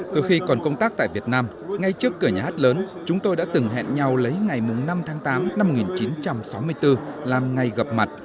từ khi còn công tác tại việt nam ngay trước cửa nhà hát lớn chúng tôi đã từng hẹn nhau lấy ngày năm tháng tám năm một nghìn chín trăm sáu mươi bốn làm ngày gặp mặt